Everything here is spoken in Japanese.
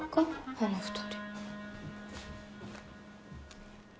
あの２人。